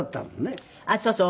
あっそうそう。